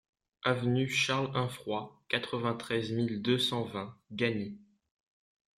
Avenue Charles Infroit, quatre-vingt-treize mille deux cent vingt Gagny